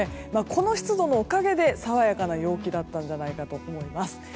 この湿度のおかげで爽やかな陽気だったんじゃないかなと思います。